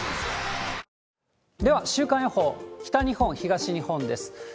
では、週間予報、北日本、東日本です。